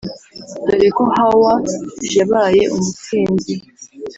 dore ko Hawa yabaye umusinzi